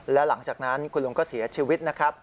และหลังจากนั้นคุณลุงก็เสียชีวิตนะครับ